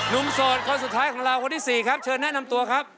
นุ่มสดของสุดท้ายคนที่สี่ครับเชิญแนะนำตัวครับ